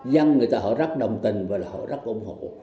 dân họ rất đồng tình và họ rất ủng hộ